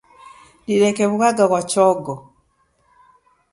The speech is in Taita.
Nineke wughanga ghwa chongo.